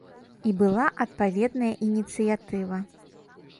І была адпаведная ініцыятыва.